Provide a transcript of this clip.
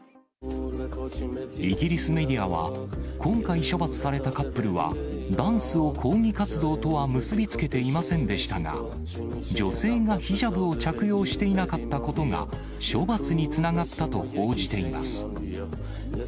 イギリスメディアは、今回、処罰されたカップルは、ダンスを抗議活動とは結び付けてはいませんでしたが、女性がヒジャブを着用していなかったことが、処罰につながったと報じています。